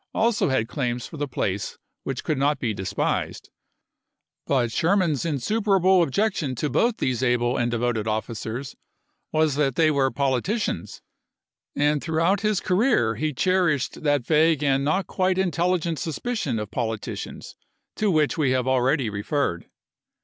also had claims for the place which could not be despised ; but Sherman's in superable objection to both these able and devoted officers was that they were politicians, and throughout his career he cherished that vague and not quite intelligent suspicion of politicians 276 ABRAHAM LINCOLN chap. xii. to which we have already referred.